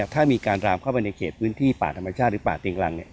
ถ้ามีการรามเข้าไปในเขตพื้นที่ป่าธรรมชาติหรือป่าเตียงรัง